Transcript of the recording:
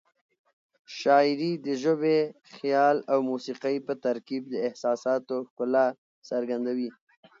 شاعري د ژبې، خیال او موسيقۍ په ترکیب د احساساتو ښکلا څرګندوي.